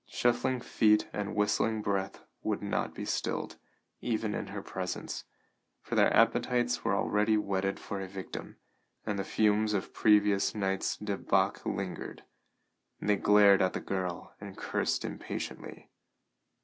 Shuffling feet and whistling breath would not be stilled, even in her presence, for their appetites were already whetted for a victim, and the fumes of the previous night's debauch lingered. They glared at the girl and cursed impatiently.